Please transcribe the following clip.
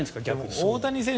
大谷選手